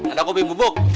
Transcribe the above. ada kopi bubuk